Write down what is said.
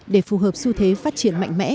để phù hợp xu thế phát triển mạnh mẽ